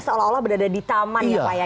kita ada di taman ya pak ya